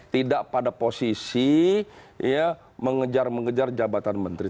tidak pada posisi mengejar mengejar jabatan menteri